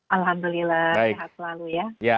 alhamdulillah sehat selalu ya